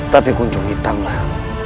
tapi kuncung hitamlah